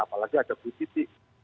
apalagi ada positif